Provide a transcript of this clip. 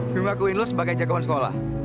gue udah jagoan sekolah